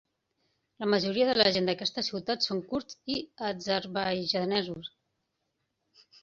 La majoria de la gent d'aquesta ciutat són kurds i azerbaidjanesos.